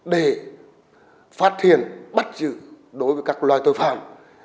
để phát hiện bắt giữ đối với các loài tội phạm